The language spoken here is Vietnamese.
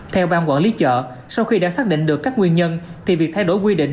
theo ban quản lý chợ sau khi đã xác định được các nguyên nhân thì việc thay đổi quy định